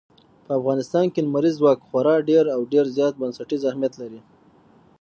په افغانستان کې لمریز ځواک خورا ډېر او ډېر زیات بنسټیز اهمیت لري.